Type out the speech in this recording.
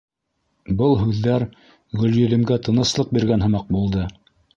Был һүҙҙәр Гөлйөҙөмгә тыныслыҡ биргән һымаҡ булды.